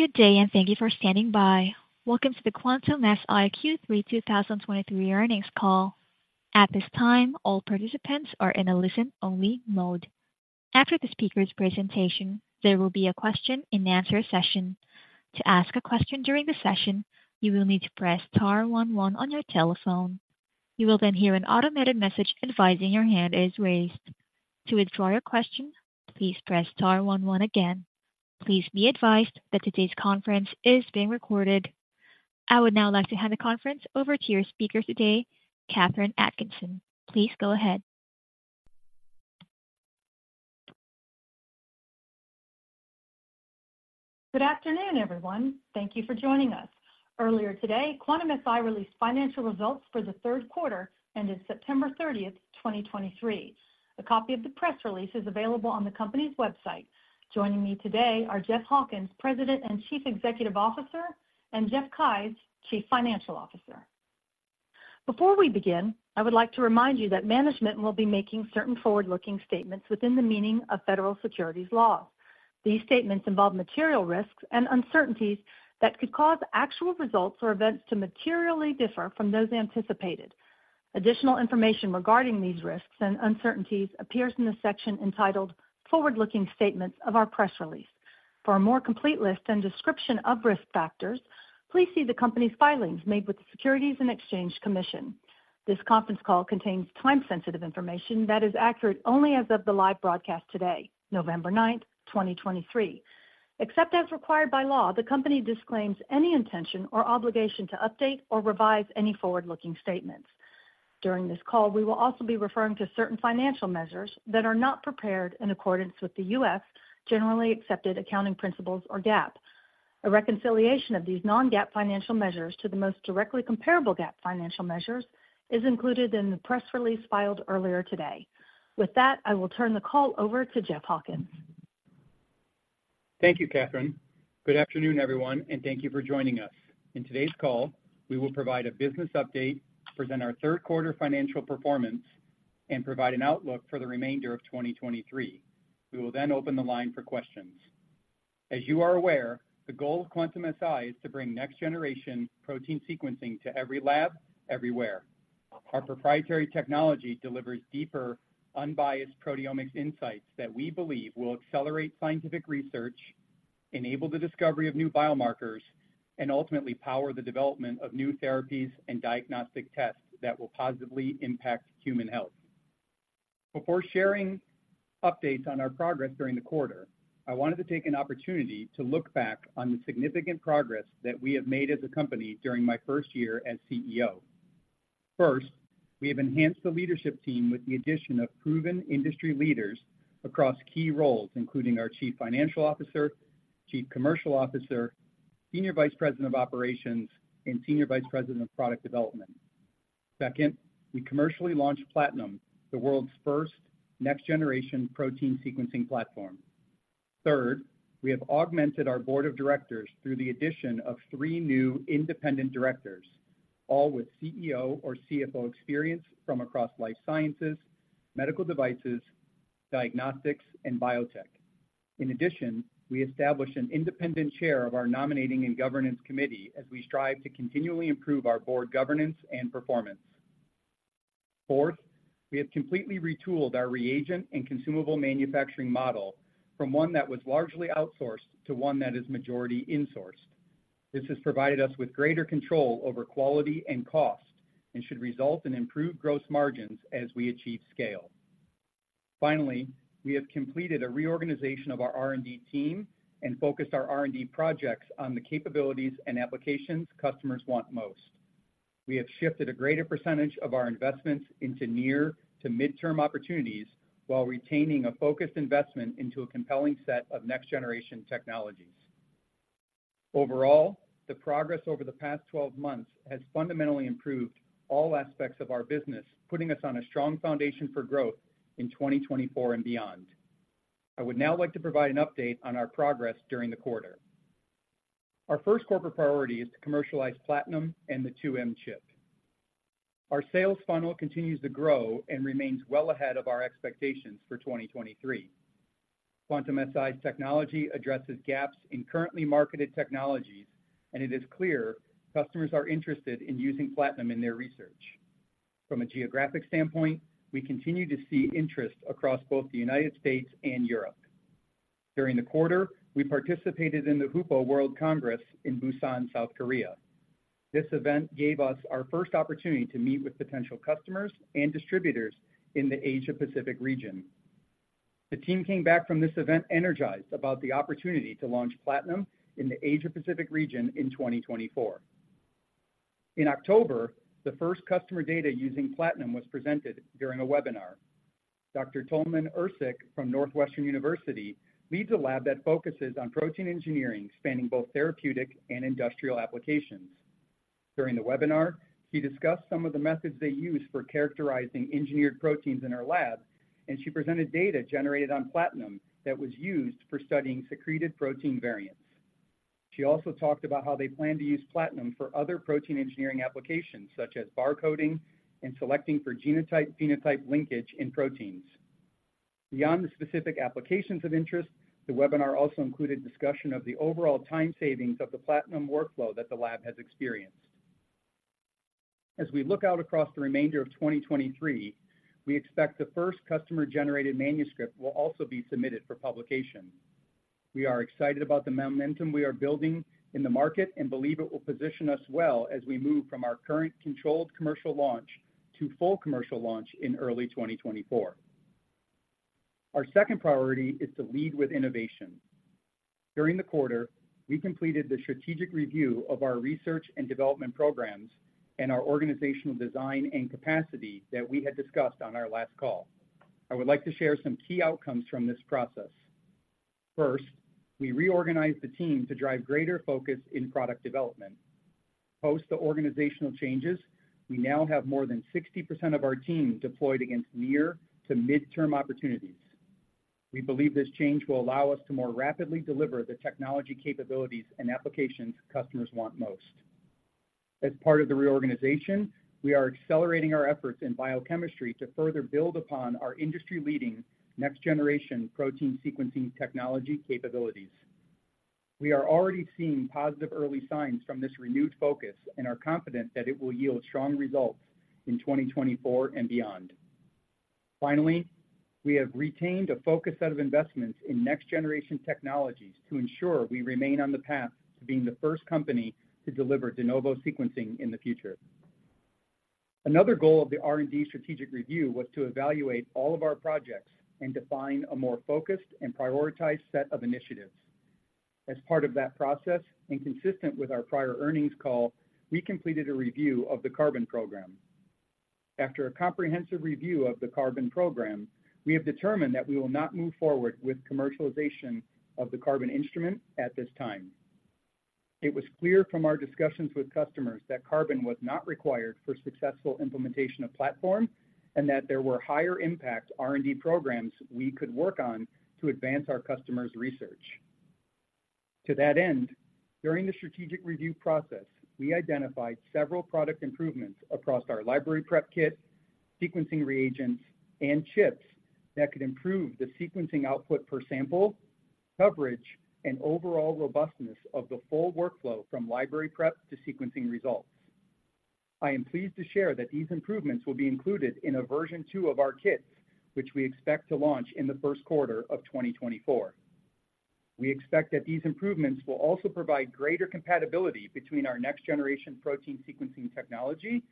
Good day, and thank you for standing by. Welcome to the Quantum-Si Q3 2023 earnings call. At this time, all participants are in a listen-only mode. After the speaker's presentation, there will be a question-and-answer session. To ask a question during the session, you will need to press star one one on your telephone. You will then hear an automated message advising your hand is raised. To withdraw your question, please press star one one again. Please be advised that today's conference is being recorded. I would now like to hand the conference over to your speaker today, Katherine Atkinson. Please go ahead. Good afternoon, everyone. Thank you for joining us. Earlier today, Quantum-Si released financial results for the third quarter, ended September 30, 2023. A copy of the press release is available on the company's website. Joining me today are Jeff Hawkins, President and Chief Executive Officer, and Jeff Keyes, Chief Financial Officer. Before we begin, I would like to remind you that management will be making certain forward-looking statements within the meaning of federal securities laws. These statements involve material risks and uncertainties that could cause actual results or events to materially differ from those anticipated. Additional information regarding these risks and uncertainties appears in the section entitled Forward-Looking Statements of our press release. For a more complete list and description of risk factors, please see the company's filings made with the Securities and Exchange Commission. This conference call contains time-sensitive information that is accurate only as of the live broadcast today, November 9th, 2023. Except as required by law, the company disclaims any intention or obligation to update or revise any forward-looking statements. During this call, we will also be referring to certain financial measures that are not prepared in accordance with the U.S. Generally Accepted Accounting Principles, or GAAP. A reconciliation of these non-GAAP financial measures to the most directly comparable GAAP financial measures is included in the press release filed earlier today. With that, I will turn the call over to Jeff Hawkins. Thank you, Katherine. Good afternoon, everyone, and thank you for joining us. In today's call, we will provide a business update, present our third quarter financial performance, and provide an outlook for the remainder of 2023. We will then open the line for questions. As you are aware, the goal of Quantum-Si is to bring next-generation protein sequencing to every lab, everywhere. Our proprietary technology delivers deeper, unbiased proteomics insights that we believe will accelerate scientific research, enable the discovery of new biomarkers, and ultimately power the development of new therapies and diagnostic tests that will positively impact human health. Before sharing updates on our progress during the quarter, I wanted to take an opportunity to look back on the significant progress that we have made as a company during my first year as CEO. First, we have enhanced the leadership team with the addition of proven industry leaders across key roles, including our Chief Financial Officer, Chief Commercial Officer, Senior Vice President of Operations, and Senior Vice President of Product Development. Second, we commercially launched Platinum, the world's first next-generation protein sequencing platform. Third, we have augmented our board of directors through the addition of three new independent directors, all with CEO or CFO experience from across life sciences, medical devices, diagnostics, and biotech. In addition, we established an independent chair of our Nominating and Governance Committee as we strive to continually improve our board governance and performance. Fourth, we have completely retooled our reagent and consumable manufacturing model from one that was largely outsourced to one that is majority insourced. This has provided us with greater control over quality and cost and should result in improved gross margins as we achieve scale. Finally, we have completed a reorganization of our R&D team and focused our R&D projects on the capabilities and applications customers want most. We have shifted a greater percentage of our investments into near- to midterm opportunities while retaining a focused investment into a compelling set of next-generation technologies. Overall, the progress over the past 12 months has fundamentally improved all aspects of our business, putting us on a strong foundation for growth in 2024 and beyond. I would now like to provide an update on our progress during the quarter. Our first corporate priority is to commercialize Platinum and the 2M chip. Our sales funnel continues to grow and remains well ahead of our expectations for 2023. Quantum-Si's technology addresses gaps in currently marketed technologies, and it is clear customers are interested in using Platinum in their research. From a geographic standpoint, we continue to see interest across both the United States and Europe. During the quarter, we participated in the HUPO World Congress in Busan, South Korea. This event gave us our first opportunity to meet with potential customers and distributors in the Asia Pacific region. The team came back from this event energized about the opportunity to launch Platinum in the Asia Pacific region in 2024. In October, the first customer data using Platinum was presented during a webinar. Dr. Danielle Tullman-Ercek from Northwestern University leads a lab that focuses on protein engineering, spanning both therapeutic and industrial applications. During the webinar, she discussed some of the methods they use for characterizing engineered proteins in her lab, and she presented data generated on Platinum that was used for studying secreted protein variants. She also talked about how they plan to use Platinum for other protein engineering applications, such as barcoding and selecting for genotype-phenotype linkage in proteins. Beyond the specific applications of interest, the webinar also included discussion of the overall time savings of the Platinum workflow that the lab has experienced. As we look out across the remainder of 2023, we expect the first customer-generated manuscript will also be submitted for publication. We are excited about the momentum we are building in the market and believe it will position us well as we move from our current controlled commercial launch to full commercial launch in early 2024. Our second priority is to lead with innovation. During the quarter, we completed the strategic review of our research and development programs and our organizational design and capacity that we had discussed on our last call. I would like to share some key outcomes from this process. First, we reorganized the team to drive greater focus in product development. Post the organizational changes, we now have more than 60% of our team deployed against near to midterm opportunities. We believe this change will allow us to more rapidly deliver the technology capabilities and applications customers want most. As part of the reorganization, we are accelerating our efforts in biochemistry to further build upon our industry-leading, next-generation protein sequencing technology capabilities. We are already seeing positive early signs from this renewed focus and are confident that it will yield strong results in 2024 and beyond. Finally, we have retained a focused set of investments in next-generation technologies to ensure we remain on the path to being the first company to deliver de novo sequencing in the future. Another goal of the R&D strategic review was to evaluate all of our projects and define a more focused and prioritized set of initiatives. As part of that process, and consistent with our prior earnings call, we completed a review of the Carbon program. After a comprehensive review of the Carbon program, we have determined that we will not move forward with commercialization of the Carbon instrument at this time. It was clear from our discussions with customers that Carbon was not required for successful implementation of platform and that there were higher impact R&D programs we could work on to advance our customers' research. To that end, during the strategic review process, we identified several product improvements across our library prep kit, sequencing reagents, and chips that could improve the sequencing output per sample, coverage, and overall robustness of the full workflow from library prep to sequencing results. I am pleased to share that these improvements will be included in a version 2 of our kits, which we expect to launch in the first quarter of 2024. We expect that these improvements will also provide greater compatibility between our next-generation protein sequencing technology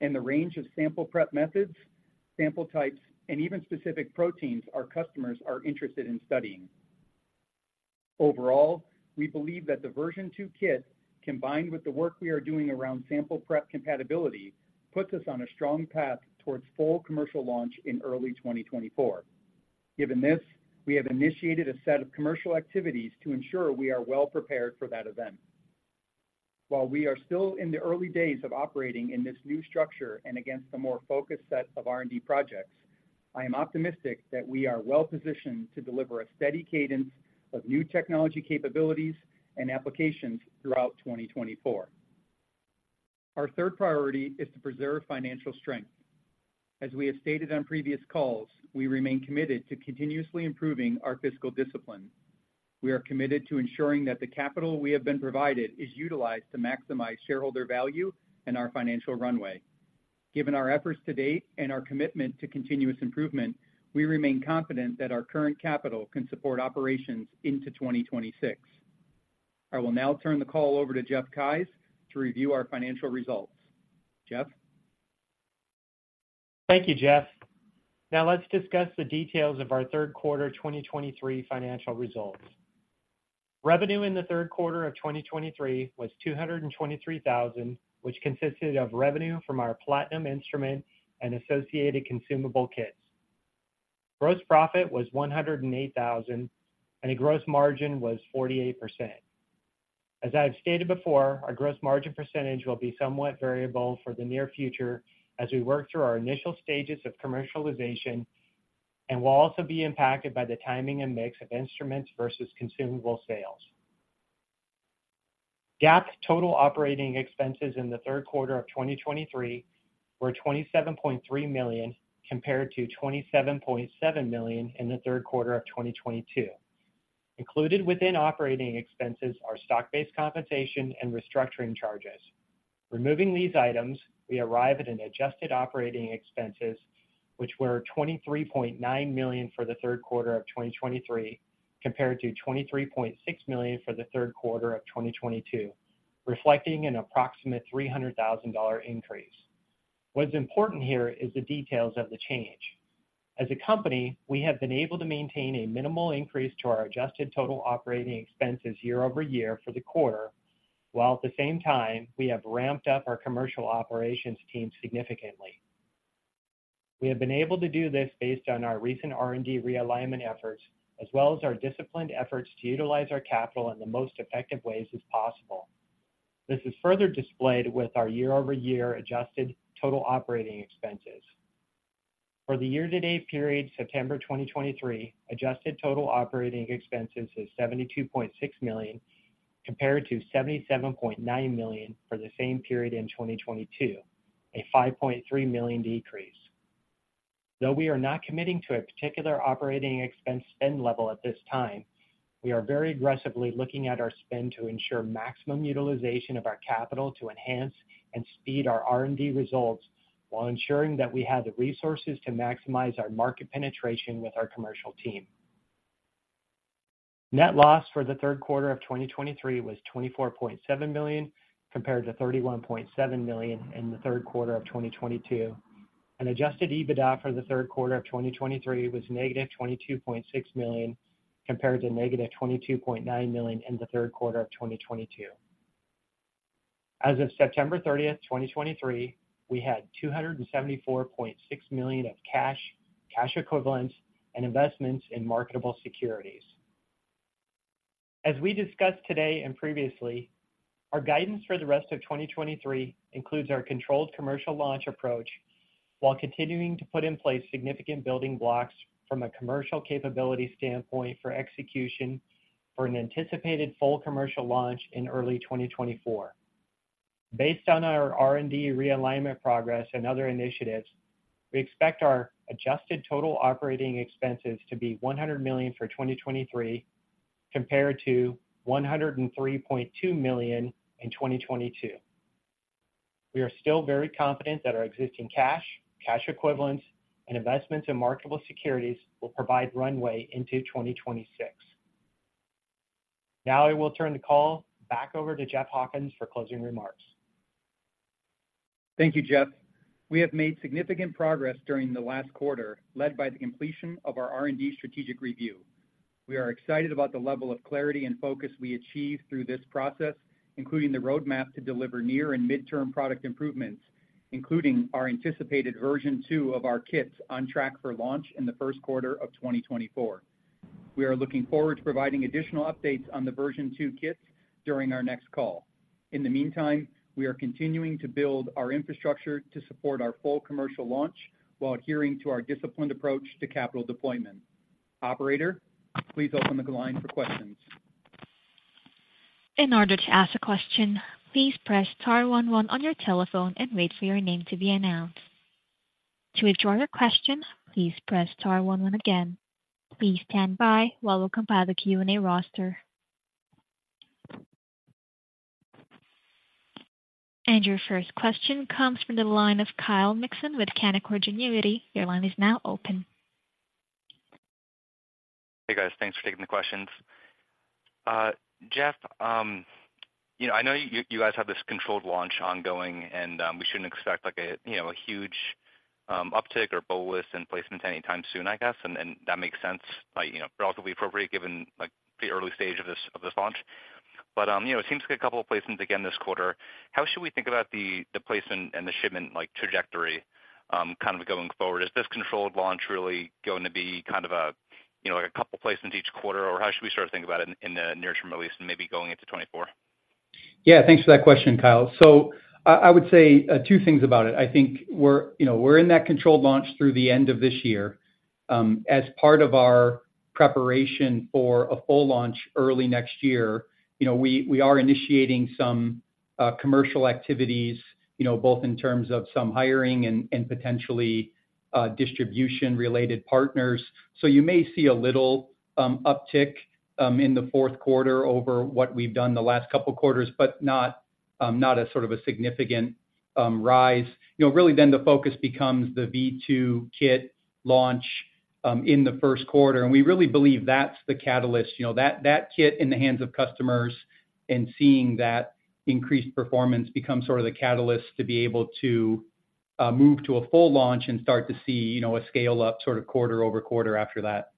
and the range of sample prep methods, sample types, and even specific proteins our customers are interested in studying. Overall, we believe that the version 2 kit, combined with the work we are doing around sample prep compatibility, puts us on a strong path towards full commercial launch in early 2024. Given this, we have initiated a set of commercial activities to ensure we are well prepared for that event. While we are still in the early days of operating in this new structure and against a more focused set of R&D projects, I am optimistic that we are well positioned to deliver a steady cadence of new technology capabilities and applications throughout 2024. Our third priority is to preserve financial strength. As we have stated on previous calls, we remain committed to continuously improving our fiscal discipline. We are committed to ensuring that the capital we have been provided is utilized to maximize shareholder value and our financial runway. Given our efforts to date and our commitment to continuous improvement, we remain confident that our current capital can support operations into 2026. I will now turn the call over to Jeff Keyes to review our financial results. Jeff? Thank you, Jeff. Now let's discuss the details of our third quarter of 2023 financial results. Revenue in the third quarter of 2023 was $223,000, which consisted of revenue from our Platinum instrument and associated consumable kits. Gross profit was $108,000, and the gross margin was 48%. As I've stated before, our gross margin percentage will be somewhat variable for the near future as we work through our initial stages of commercialization and will also be impacted by the timing and mix of instruments versus consumable sales. GAAP total operating expenses in the third quarter of 2023 were $27.3 million, compared to $27.7 million in the third quarter of 2022. Included within operating expenses are stock-based compensation and restructuring charges. Removing these items, we arrive at an adjusted operating expenses, which were $23.9 million for the third quarter of 2023, compared to $23.6 million for the third quarter of 2022, reflecting an approximate $300,000 increase. What's important here is the details of the change. As a company, we have been able to maintain a minimal increase to our adjusted total operating expenses year over year for the quarter, while at the same time, we have ramped up our commercial operations team significantly. We have been able to do this based on our recent R&D realignment efforts, as well as our disciplined efforts to utilize our capital in the most effective ways as possible. This is further displayed with our year-over-year adjusted total operating expenses. For the year-to-date period, September 2023, adjusted total operating expenses is $72.6 million, compared to $77.9 million for the same period in 2022, a $5.3 million decrease. Though we are not committing to a particular operating expense spend level at this time, we are very aggressively looking at our spend to ensure maximum utilization of our capital to enhance and speed our R&D results, while ensuring that we have the resources to maximize our market penetration with our commercial team. Net loss for the third quarter of 2023 was $24.7 million, compared to $31.7 million in the third quarter of 2022, and Adjusted EBITDA for the third quarter of 2023 was -$22.6 million, compared to -$22.9 million in the third quarter of 2022. As of September 30, 2023, we had $274.6 million of cash, cash equivalents, and investments in marketable securities. As we discussed today and previously, our guidance for the rest of 2023 includes our controlled commercial launch approach, while continuing to put in place significant building blocks from a commercial capability standpoint for execution for an anticipated full commercial launch in early 2024. Based on our R&D realignment progress and other initiatives, we expect our adjusted total operating expenses to be $100 million for 2023, compared to $103.2 million in 2022. We are still very confident that our existing cash, cash equivalents, and investments in marketable securities will provide runway into 2026. Now, I will turn the call back over to Jeff Hawkins for closing remarks. Thank you, Jeff. We have made significant progress during the last quarter, led by the completion of our R&D strategic review. We are excited about the level of clarity and focus we achieved through this process, including the roadmap to deliver near and midterm product improvements, including our anticipated version 2 of our kits on track for launch in the first quarter of 2024. We are looking forward to providing additional updates on the version 2 kits during our next call. In the meantime, we are continuing to build our infrastructure to support our full commercial launch, while adhering to our disciplined approach to capital deployment. Operator, please open the line for questions. In order to ask a question, please press star one one on your telephone and wait for your name to be announced. To withdraw your question, please press star one one again. Please stand by while we compile the Q&A roster. Your first question comes from the line ofKyle Mikson with Canaccord Genuity. Your line is now open. Hey, guys. Thanks for taking the questions. Jeff, you know, I know you, you guys have this controlled launch ongoing, and, we shouldn't expect like a, you know, a huge, uptick or bolus in placements anytime soon, I guess, and, and that makes sense, like, you know, relatively appropriate, given, like, the early stage of this, of this launch. But, you know, it seems like a couple of placements again this quarter. How should we think about the, the placement and the shipment, like, trajectory, kind of going forward? Is this controlled launch really going to be kind of a, you know, like a couple placements each quarter, or how should we sort of think about it in, in the near term, at least, and maybe going into 2024? Yeah, thanks for that question, Kyle. So I would say two things about it. I think we're, you know, we're in that controlled launch through the end of this year. As part of our preparation for a full launch early next year, you know, we are initiating some commercial activities, you know, both in terms of some hiring and potentially distribution-related partners. So you may see a little uptick in the fourth quarter over what we've done the last couple quarters, but not a sort of a significant rise. You know, really, then the focus becomes the V2 kit launch in the first quarter, and we really believe that's the catalyst. You know, that kit in the hands of customers and seeing that increased performance becomes sort of the catalyst to be able to move to a full launch and start to see, you know, a scale-up sort of quarter-over-quarter after that.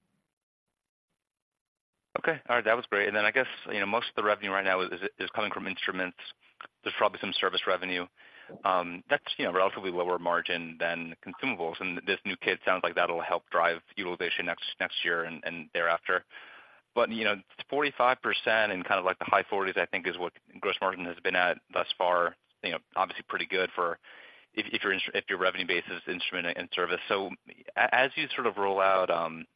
Okay, all right. That was great. Then I guess, you know, most of the revenue right now is coming from instruments. There's probably some service revenue. That's, you know, relatively lower margin than consumables, and this new kit sounds like that'll help drive utilization next year and thereafter. But, you know, it's 45% and kind of like the high 40s, I think, is what gross margin has been at thus far. You know, obviously pretty good for if your revenue base is instrument and service. So as you sort of roll out,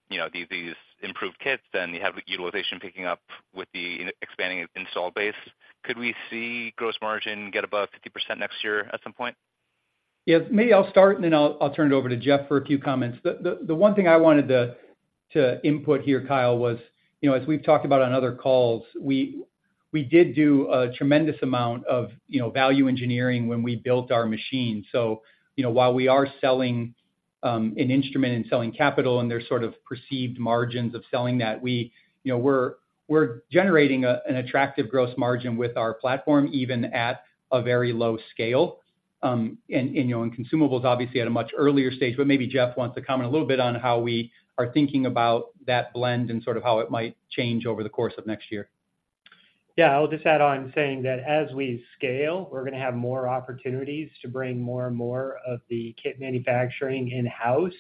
you know, these improved kits, then you have utilization picking up with the expanding install base. Could we see gross margin get above 50% next year at some point? Yes. Maybe I'll start, and then I'll turn it over to Jeff for a few comments. The one thing I wanted to input here, Kyle, was, you know, as we've talked about on other calls, we did do a tremendous amount of, you know, value engineering when we built our machine. So, you know, while we are selling an instrument and selling capital, and there's sort of perceived margins of selling that, we, you know, we're generating an attractive gross margin with our platform, even at a very low scale. And, you know, consumables obviously at a much earlier stage, but maybe Jeff wants to comment a little bit on how we are thinking about that blend and sort of how it might change over the course of next year. Yeah, I'll just add on saying that as we scale, we're going to have more opportunities to bring more and more of the kit manufacturing in-house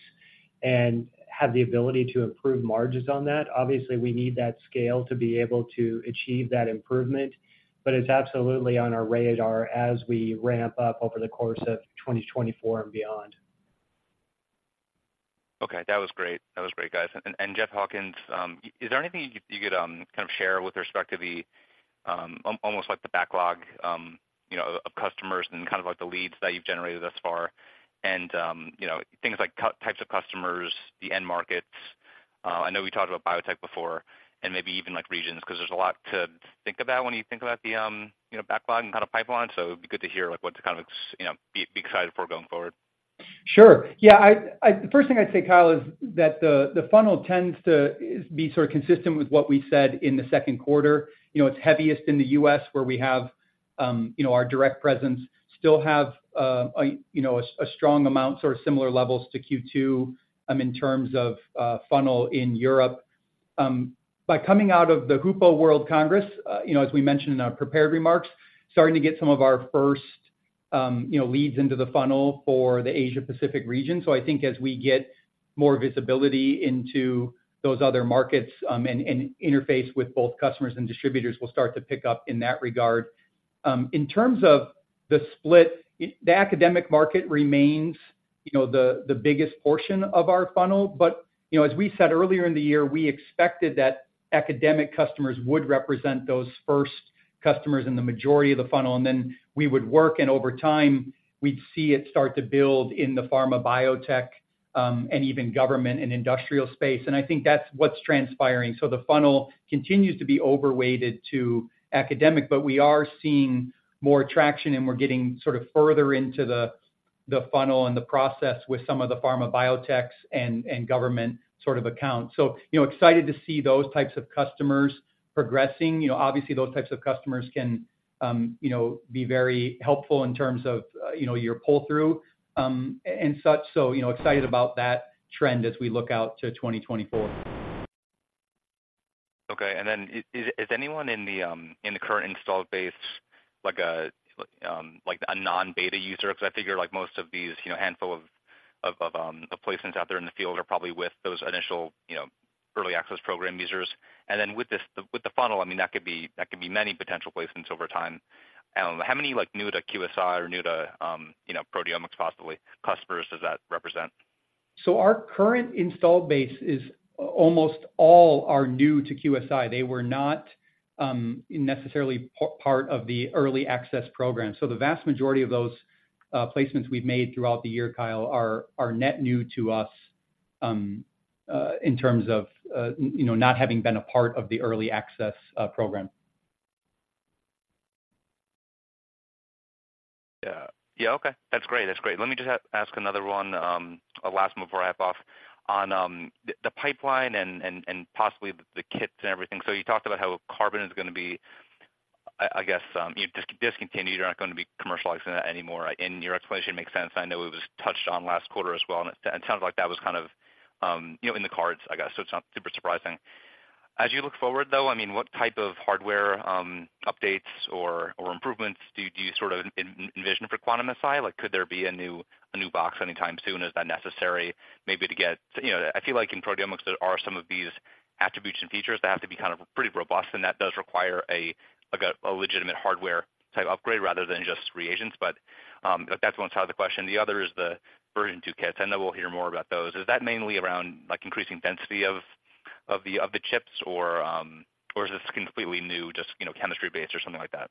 and have the ability to improve margins on that. Obviously, we need that scale to be able to achieve that improvement, but it's absolutely on our radar as we ramp up over the course of 2024 and beyond. Okay, that was great. That was great, guys. And, and Jeff Hawkins, is there anything you could, you could, kind of share with respect to the, almost like the backlog, you know, of customers and kind of like the leads that you've generated thus far? And, you know, things like types of customers, the end markets. I know we talked about biotech before and maybe even like regions, 'cause there's a lot to think about when you think about the, you know, backlog and kind of pipeline. So it'd be good to hear, like, what to kind of, you know, be excited for going forward. Sure. Yeah, the first thing I'd say, Kyle, is that the funnel tends to be sort of consistent with what we said in the second quarter. You know, it's heaviest in the U.S., where we have our direct presence. Still have a strong amount, sort of similar levels to Q2, in terms of funnel in Europe. By coming out of the HUPO World Congress, you know, as we mentioned in our prepared remarks, starting to get some of our first leads into the funnel for the Asia Pacific region. So I think as we get more visibility into those other markets, and interface with both customers and distributors, we'll start to pick up in that regard. In terms of the split, the academic market remains, you know, the biggest portion of our funnel. But, you know, as we said earlier in the year, we expected that academic customers would represent those first customers in the majority of the funnel, and then we would work, and over time, we'd see it start to build in the pharma biotech, and even government and industrial space. And I think that's what's transpiring. So the funnel continues to be overweighted to academic, but we are seeing more traction, and we're getting sort of further into the funnel and the process with some of the pharma biotechs and government sort of accounts. So, you know, excited to see those types of customers progressing. You know, obviously, those types of customers can, you know, be very helpful in terms of, you know, your pull-through, and such. So, you know, excited about that trend as we look out to 2024. Okay. And then, is anyone in the current installed base like a non-beta user? Because I figure, like most of these, you know, handful of placements out there in the field are probably with those initial, you know, early access program users. And then with this, with the funnel, I mean, that could be many potential placements over time. How many, like, new to QSI or new to, you know, proteomics, possibly customers, does that represent? So our current installed base is almost all are new to QSI. They were not necessarily part of the early access program. So the vast majority of those placements we've made throughout the year, Kyle, are net new to us in terms of you know not having been a part of the early access program. Yeah. Yeah, okay. That's great. That's great. Let me just ask another one, last one before I wrap up. On the pipeline and possibly the kits and everything. So you talked about how Carbon is gonna be, I guess, you know, discontinued, you're not going to be commercializing that anymore. And your explanation makes sense. I know it was touched on last quarter as well, and it sounds like that was kind of, you know, in the cards, I guess. So it's not super surprising. As you look forward, though, I mean, what type of hardware updates or improvements do you sort of envision for Quantum-Si? Like, could there be a new box anytime soon? Is that necessary, maybe, to get? You know, I feel like in proteomics, there are some of these attributes and features that have to be kind of pretty robust, and that does require like a legitimate hardware type upgrade rather than just reagents. But that's one side of the question. The other is the version two kits. I know we'll hear more about those. Is that mainly around like increasing density of the chips or is this completely new, just you know chemistry-based or something like that?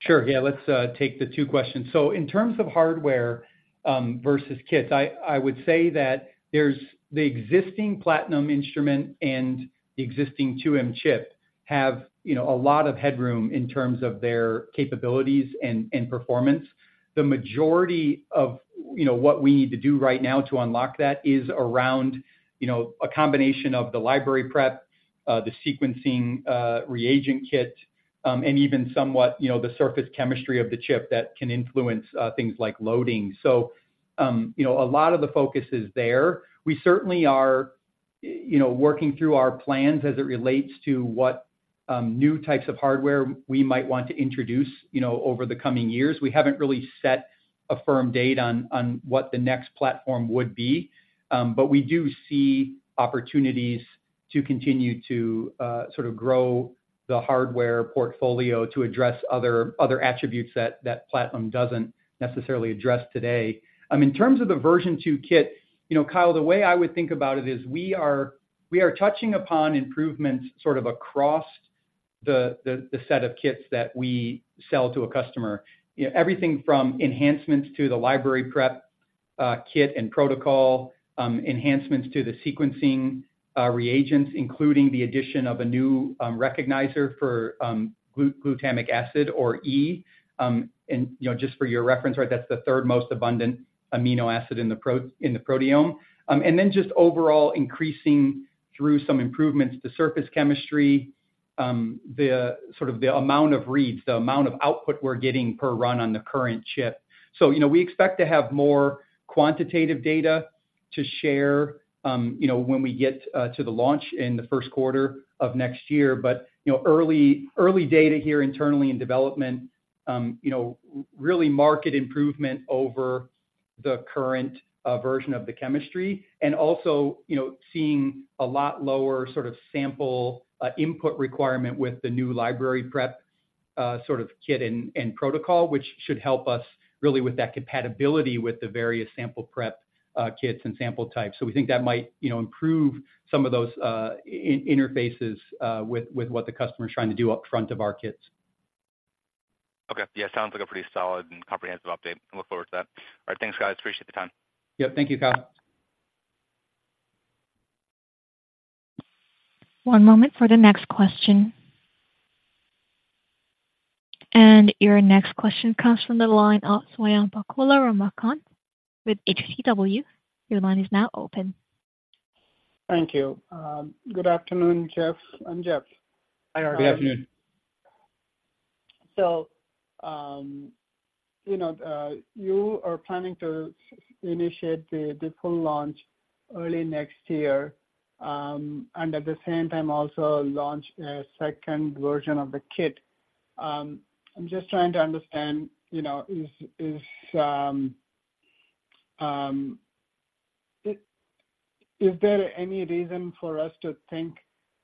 Sure. Yeah, let's take the two questions. So in terms of hardware versus kits, I, I would say that there's the existing Platinum instrument and the existing 2M chip have, you know, a lot of headroom in terms of their capabilities and, and performance. The majority of, you know, what we need to do right now to unlock that is around, you know, a combination of the library prep, the sequencing reagent kit, and even somewhat, you know, the surface chemistry of the chip that can influence things like loading. So, you know, a lot of the focus is there. We certainly are, you know, working through our plans as it relates to what new types of hardware we might want to introduce, you know, over the coming years. We haven't really set a firm date on what the next platform would be, but we do see opportunities to continue to sort of grow the hardware portfolio to address other attributes that that platform doesn't necessarily address today. In terms of the version two kit, you know, Kyle, the way I would think about it is we are touching upon improvements sort of across the set of kits that we sell to a customer. You know, everything from enhancements to the library prep kit and protocol, enhancements to the sequencing reagents, including the addition of a new recognizer for glutamic acid or E. And, you know, just for your reference, right, that's the third most abundant amino acid in the proteome. And then just overall increasing through some improvements to surface chemistry, sort of the amount of reads, the amount of output we're getting per run on the current chip. So, you know, we expect to have more quantitative data to share, you know, when we get to the launch in the first quarter of next year. But, you know, early data here internally in development, you know, really marked improvement over the current version of the chemistry, and also, you know, seeing a lot lower sort of sample input requirement with the new library prep kit and protocol, which should help us really with that compatibility with the various sample prep kits and sample types. So we think that might, you know, improve some of those interfaces with what the customer is trying to do up front of our kits. Okay. Yeah, sounds like a pretty solid and comprehensive update. I look forward to that. All right. Thanks, guys. Appreciate the time. Yep. Thank you, Kyle. One moment for the next question. Your next question comes from the line of Swayampakula Ramakanth with H.C. Wainwright. Your line is now open. Thank you. Good afternoon, Jeff and Jeff. Hi, RK. Good afternoon. You know, you are planning to initiate the full launch early next year, and at the same time also launch a second version of the kit. I'm just trying to understand, you know, is there any reason for us to think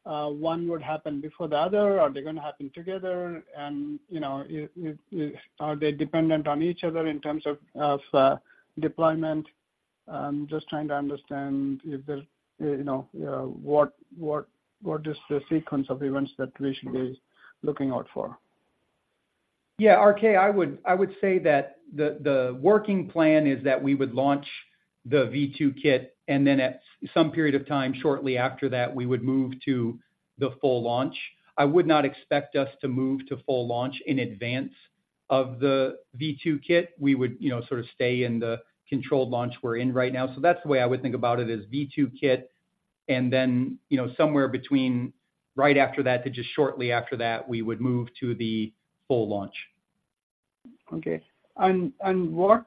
one would happen before the other, or are they gonna happen together? And, you know, are they dependent on each other in terms of deployment? I'm just trying to understand, you know, what is the sequence of events that we should be looking out for. Yeah, RK, I would say that the working plan is that we would launch the V2 kit, and then at some period of time shortly after that, we would move to the full launch. I would not expect us to move to full launch in advance of the V2 kit. We would, you know, sort of stay in the controlled launch we're in right now. So that's the way I would think about it, is V2 kit, and then, you know, somewhere between right after that to just shortly after that, we would move to the full launch. Okay. And what...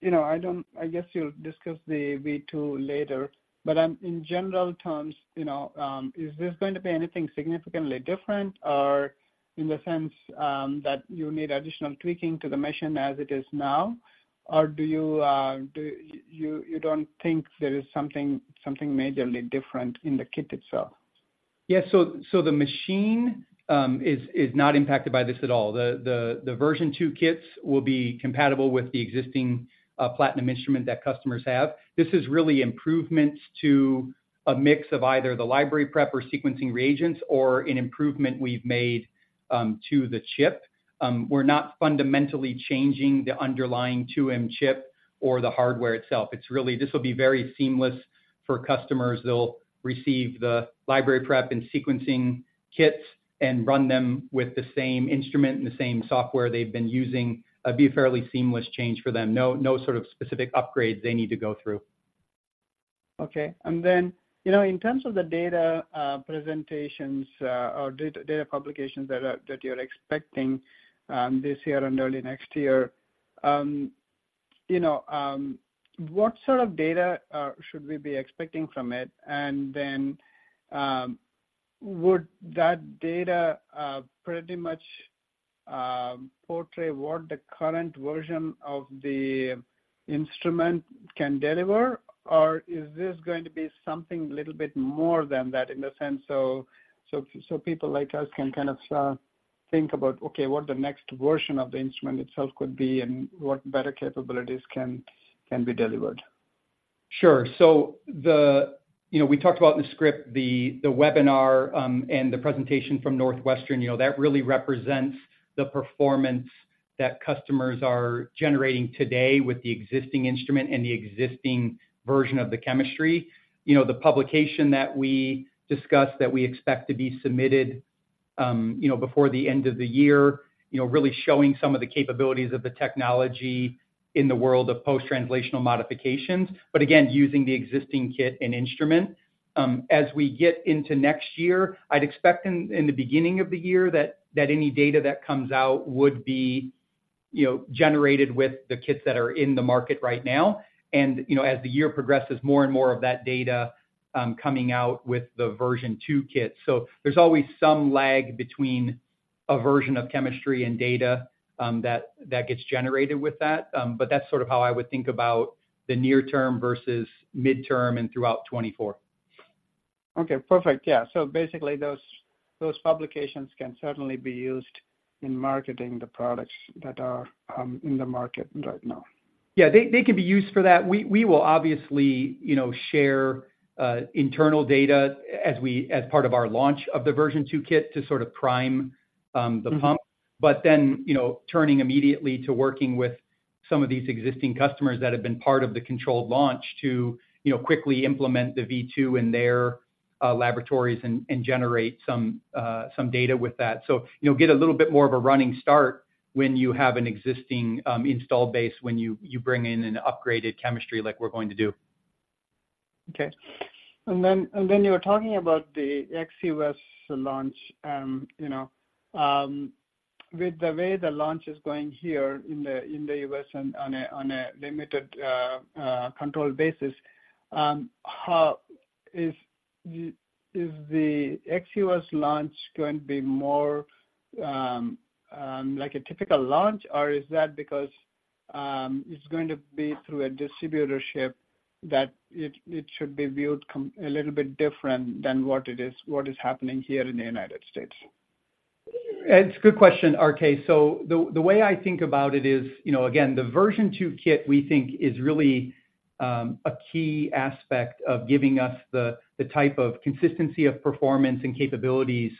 You know, I don't-- I guess you'll discuss the V2 later, but, in general terms, you know, is this going to be anything significantly different, or in the sense, that you need additional tweaking to the mission as it is now? Or do you, you don't think there is something majorly different in the kit itself? Yeah. So the machine is not impacted by this at all. The version 2 kits will be compatible with the existing Platinum instrument that customers have. This is really improvements to a mix of either the library prep or sequencing reagents or an improvement we've made to the chip. We're not fundamentally changing the underlying 2M chip or the hardware itself. It's really. This will be very seamless for customers. They'll receive the library prep and sequencing kits and run them with the same instrument and the same software they've been using. It'll be a fairly seamless change for them. No sort of specific upgrades they need to go through. Okay. And then, you know, in terms of the data, presentations, or data publications that are, that you're expecting, this year and early next year, you know, what sort of data should we be expecting from it? And then, would that data pretty much portray what the current version of the instrument can deliver, or is this going to be something a little bit more than that in the sense, so people like us can kind of think about, okay, what the next version of the instrument itself could be and what better capabilities can be delivered? Sure. So you know, we talked about in the script the webinar and the presentation from Northwestern, you know, that really represents the performance that customers are generating today with the existing instrument and the existing version of the chemistry. You know, the publication that we discussed that we expect to be submitted, you know, before the end of the year, you know, really showing some of the capabilities of the technology in the world of post-translational modifications, but again, using the existing kit and instrument. As we get into next year, I'd expect in the beginning of the year that any data that comes out would be, you know, generated with the kits that are in the market right now. And you know, as the year progresses, more and more of that data coming out with the version two kit. So there's always some lag between a version of chemistry and data that gets generated with that. But that's sort of how I would think about the near term versus midterm and throughout 2024. Okay, perfect. Yeah. So basically, those, those publications can certainly be used in marketing the products that are in the market right now. Yeah, they, they can be used for that. We, we will obviously, you know, share internal data as part of our launch of the version two kit to sort of prime the pump. Mm-hmm. But then, you know, turning immediately to working with some of these existing customers that have been part of the controlled launch to, you know, quickly implement the V2 in their laboratories and generate some data with that. So you'll get a little bit more of a running start when you have an existing install base, when you bring in an upgraded chemistry like we're going to do. Okay. And then you were talking about the ex-U.S. launch, you know. With the way the launch is going here in the U.S. on a limited, controlled basis, how is the ex-U.S. launch going to be more like a typical launch, or is that because it's going to be through a distributorship, that it should be viewed a little bit different than what is happening here in the United States? It's a good question, RK. So the way I think about it is, you know, again, the version two kit, we think, is really a key aspect of giving us the type of consistency of performance and capabilities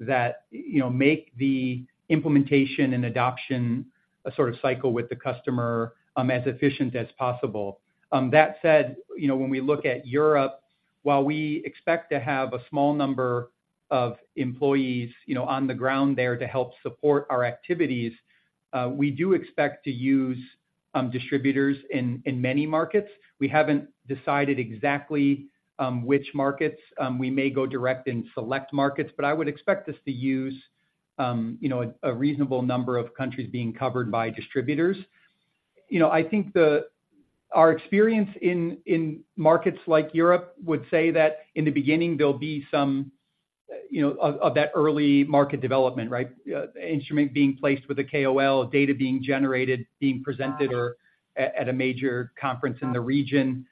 that, you know, make the implementation and adoption a sort of cycle with the customer as efficient as possible. That said, you know, when we look at Europe, while we expect to have a small number of employees, you know, on the ground there to help support our activities, we do expect to use distributors in many markets. We haven't decided exactly which markets. We may go direct in select markets, but I would expect us to use, you know, a reasonable number of countries being covered by distributors. You know, I think the... Our experience in markets like Europe would say that in the beginning, there'll be some, you know, that early market development, right? Instrument being placed with a KOL, data being generated, being presented or at a major conference in the region,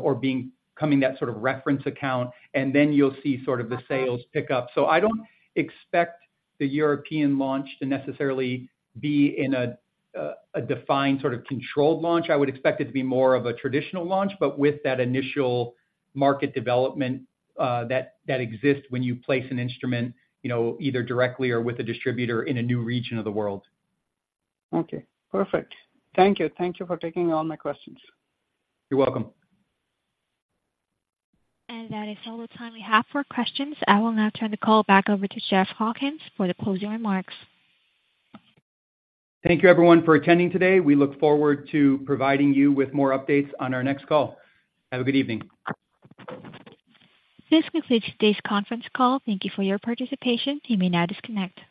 or becoming that sort of reference account, and then you'll see sort of the sales pick up. So I don't expect the European launch to necessarily be in a defined sort of controlled launch. I would expect it to be more of a traditional launch, but with that initial market development that exists when you place an instrument, you know, either directly or with a distributor in a new region of the world. Okay, perfect. Thank you. Thank you for taking all my questions. You're welcome. That is all the time we have for questions. I will now turn the call back over to Jeff Hawkins for the closing remarks. Thank you, everyone, for attending today. We look forward to providing you with more updates on our next call. Have a good evening. This concludes today's conference call. Thank you for your participation. You may now disconnect.